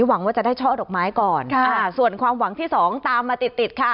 หวังว่าจะได้ช่อดอกไม้ก่อนค่ะอ่าส่วนความหวังที่สองตามมาติดติดค่ะ